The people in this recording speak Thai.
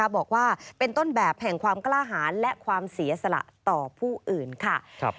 บอกว่าเป็นต้นแบบแห่งความกล้าหารและความเสียสละต่อผู้อื่นค่ะ